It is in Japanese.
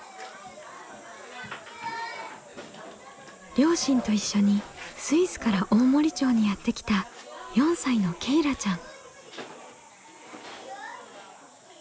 両親と一緒にスイスから大森町にやって来た４歳のけいらちゃん。